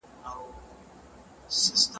عاقبت اندیش اوسئ.